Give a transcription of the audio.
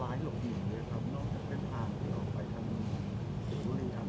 หมอบรรยาหมอบรรยาหมอบรรยาหมอบรรยา